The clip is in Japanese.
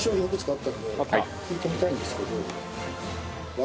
聞いてみたいんですけど。